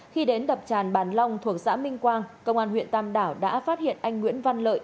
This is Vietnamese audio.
khi đến đập tràn bản long thuộc xã minh quang công an huyện tam đảo đã phát hiện anh nguyễn văn lợi